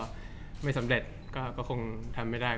ไม่สำเร็จก็คงทำไม่ได้